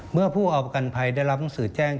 เมื่อผู้เอาประกันภัยได้รับหนังสือแจ้ง